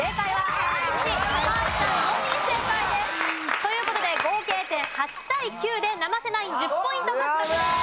という事で合計点８対９で生瀬ナイン１０ポイント獲得です。